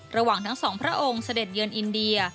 ระหว่างทั้งสองพระองค์เสด็จเยือนอินเดีย